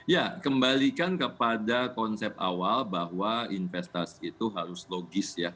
ya kembalikan kepada konsep awal bahwa investasi itu harus logis ya